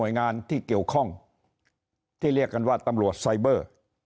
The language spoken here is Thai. โดยงานที่เกี่ยวข้องที่เรียกกันว่าตำรวจไซเบอร์